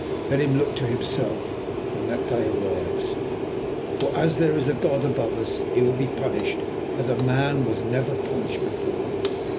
Let him look to himself when that day arrives. For as there is a God above us, he will be punished as man was never punished before."